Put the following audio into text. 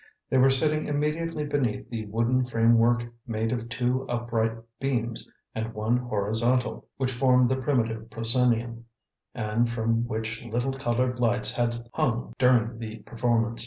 They were sitting immediately beneath the wooden framework made of two upright beams and one horizontal, which formed the primitive proscenium, and from which little coloured lights had hung during the performance.